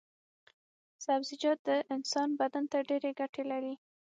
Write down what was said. سبزيجات د انسان بدن ته ډېرې ګټې لري.